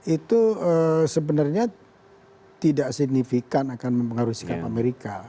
itu sebenarnya tidak signifikan akan mempengaruhi sikap amerika